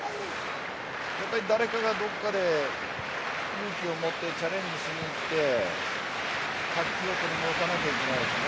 やっぱり誰かがどこかで勇気をもってチャレンジしにいって活気を取り戻さなきゃいけないですね。